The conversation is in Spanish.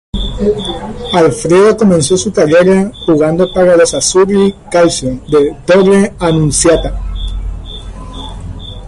Alfredo comenzó su carrera jugando para los Azzurri Calcio di Torre Annunziata.